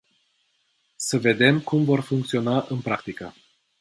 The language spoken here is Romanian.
Să vedem cum vor funcționa în practică.